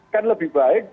kan lebih baik